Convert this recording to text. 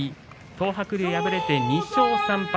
東白龍は敗れて２勝３敗。